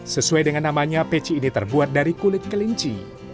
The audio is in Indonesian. sesuai dengan namanya peci ini terbuat dari kulit kelinci